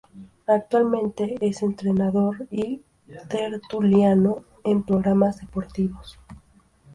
Actualmente es entrenador y tertuliano en programas deportivos.